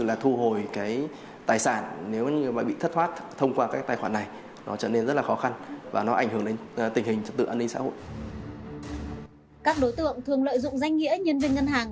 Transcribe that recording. các đối tượng thường lợi dụng danh nghĩa nhân viên ngân hàng